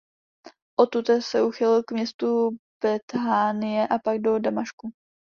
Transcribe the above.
Odtud se uchýlili k městu Bethánie a pak do Damašku.